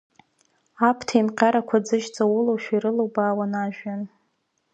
Аԥҭа еимҟьарақәа ӡыжь ҵаулашәа ирылубаауан ажәҩан.